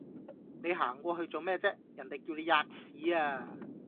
你行過去做咩啫？人地叫你喫屎呀！